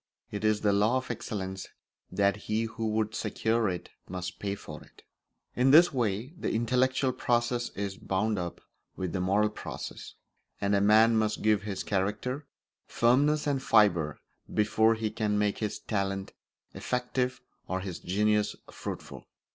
It is the law of excellence that he who would secure it must pay for it. In this way the intellectual process is bound up with the moral process, and a man must give his character firmness and fibre before he can make his talent effective or his genius fruitful.